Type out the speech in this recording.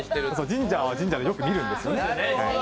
神社は神社でよく見るんですよね。